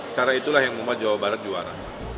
cara itulah yang membuat jawa barat juara